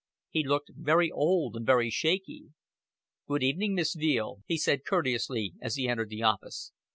He looked very old and very shaky. "Good evening, Miss Veale," he said courteously as he entered the office.